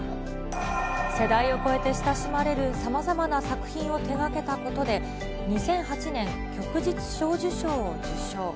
世代を超えて親しまれるさまざまな作品を手がけたことで、２００８年、どうだ？